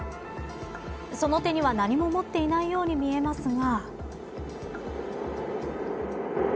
その手には何も持っていないように見えますが。